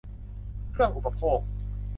เครื่องอุปโภค